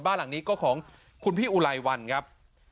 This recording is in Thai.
บ้านหลังนี้ก็ของคุณพี่อุไลวันครับ